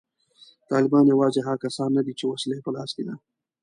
طالبان یوازې هغه کسان نه دي چې وسله یې په لاس کې ده